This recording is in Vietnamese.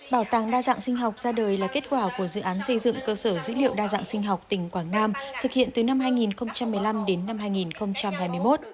bảo tàng đa dạng sinh học ra đời là kết quả của dự án xây dựng cơ sở dữ liệu đa dạng sinh học tỉnh quảng nam thực hiện từ năm hai nghìn một mươi năm đến năm hai nghìn hai mươi một